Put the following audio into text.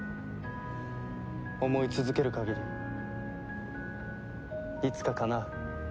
思い続ける限りいつかかなう。